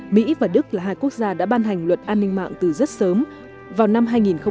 mỹ và đức là hai quốc gia đã ban hành luật an ninh mạng từ rất sớm vào năm hai nghìn một mươi